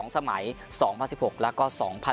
สมัย๒๐๑๖แล้วก็๒๐๑๖